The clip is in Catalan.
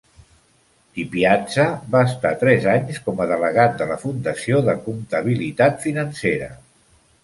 DiPiazza va estar tres anys com a delegat de la Fundació de Comptabilitat Financera.